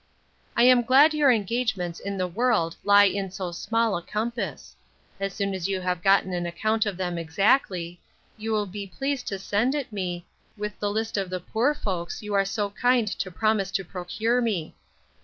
I am glad your engagements in the world lie in so small a compass. As soon as you have gotten an account of them exactly, you will be pleased to send it me, with the list of the poor folks you are so kind to promise to procure me.